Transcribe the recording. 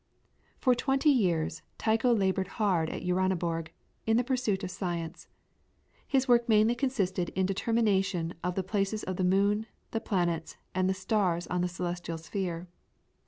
For twenty years Tycho laboured hard at Uraniborg in the pursuit of science. His work mainly consisted in the determination of the places of the moon, the planets, and the stars on the celestial sphere.